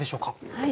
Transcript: はい。